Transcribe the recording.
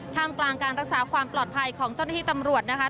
กลางการรักษาความปลอดภัยของเจ้าหน้าที่ตำรวจนะคะ